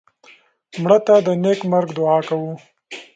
مړه ته د نیک مرګ دعا کوو